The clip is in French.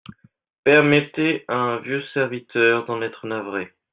Permettez à un vieux serviteur d'en être navré.